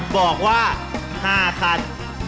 บอกว่า๕ขั้น